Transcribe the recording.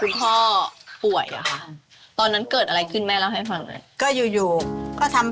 อืมอืมอืมอืมอืมอืมอืมอืมอืมอืมอืม